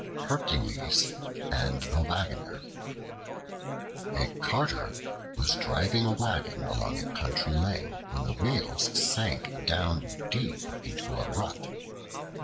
Hercules and the Wagoner A CARTER was driving a wagon along a country lane, when the wheels sank down deep into a rut.